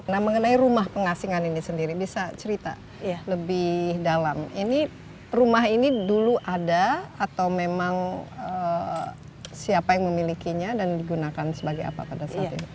nah mengenai rumah pengasingan ini sendiri bisa cerita lebih dalam ini rumah ini dulu ada atau memang siapa yang memilikinya dan digunakan sebagai apa pada saat ini